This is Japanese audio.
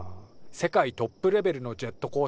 世界トップレベルのジェットコースターによ